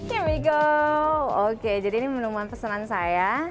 here we go oke jadi ini minuman pesanan saya